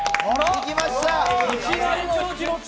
いきました！